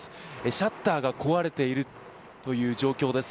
シャッターが壊れているという状況です。